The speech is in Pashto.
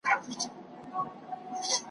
بدمرغي په هغه ورځ ورحواله سي ,